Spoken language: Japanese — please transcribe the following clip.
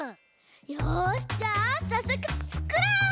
よしじゃあさっそくつくろう！